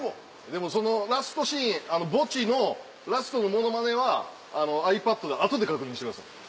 でもそのラストシーン墓地のラストのものまねはｉＰａｄで後で確認してください。